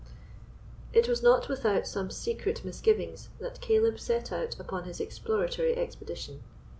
It was not without some secret misgivings that Caleb set out upon his exploratory expedition.